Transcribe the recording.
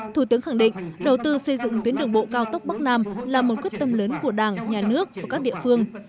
thủ tướng khẳng định đầu tư xây dựng tuyến đường bộ cao tốc bắc nam là một quyết tâm lớn của đảng nhà nước và các địa phương